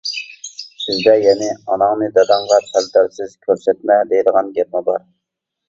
بىزدە يەنە: «ئاناڭنى داداڭغا پەردازسىز كۆرسەتمە» دەيدىغان گەپمۇ بار.